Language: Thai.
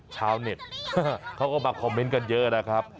ชาวเน็ตเขาก็มาคอมเมนต์กันเยอะนะครับ